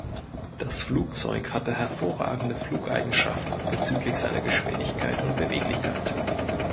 Das Flugzeug hatte hervorragende Flugeigenschaften bezüglich seiner Geschwindigkeit und Beweglichkeit.